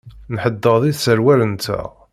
Nḥedded iserwalen-nteɣ.